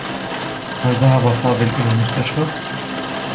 هل ذهب فاضل إلى المستشفى؟